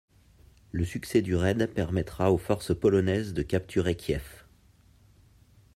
Le succès du raid permettra aux forces polonaises de capturer Kiev.